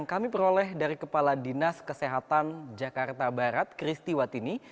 kami peroleh dari kepala dinas kesehatan jakarta barat kristiwatini